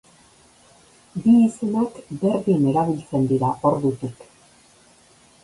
Bi izenak berdin erabiltzen dira ordutik.